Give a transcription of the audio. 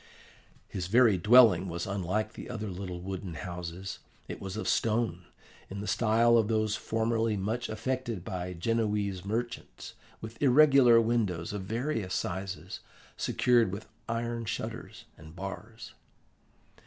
"His very dwelling was unlike the other little wooden houses. It was of stone, in the style of those formerly much affected by Genoese merchants, with irregular windows of various sizes, secured with iron shutters and bars.